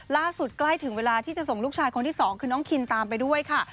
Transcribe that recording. ใกล้ถึงเวลาที่จะส่งลูกชายคนที่สองคือน้องคินตามไปด้วยค่ะ